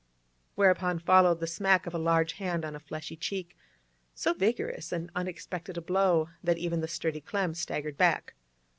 Whereupon followed the smack of a large hand on a fleshy cheek, so vigorous and unexpected a blow that even the sturdy Clem staggered back.